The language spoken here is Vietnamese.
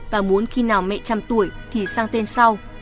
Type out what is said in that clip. và muốn khi nào mẹ trăm tuổi thì sang tên sau